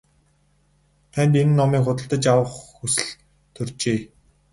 Танд энэ номыг худалдаж авах хүсэл төржээ.